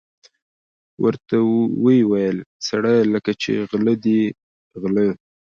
ورته ویې ویل: سړیه لکه چې غله دي غله.